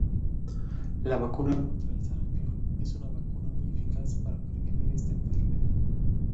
La vacuna contra el sarampión es una vacuna muy eficaz para prevenir esta enfermedad.